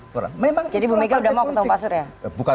jadi bumegang sudah mau ketemu pak sur ya